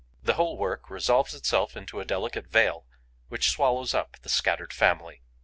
The whole work resolves itself into a delicate veil which swallows up the scattered family.